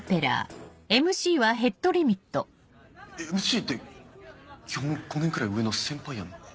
ＭＣって基本５年くらい上の先輩やんな？